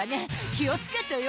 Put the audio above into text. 気を付けてよ。